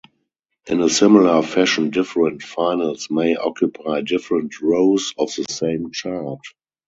In a similar fashion different finals may occupy different rows of the same chart.